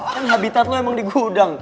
kan habitat lu emang di gudang